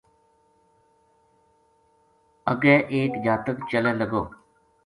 اَگے ایک جاتک چلے لگو